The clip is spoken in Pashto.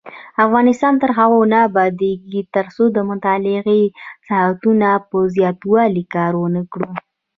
افغانستان تر هغو نه ابادیږي، ترڅو د مطالعې د ساعتونو په زیاتوالي کار ونکړو.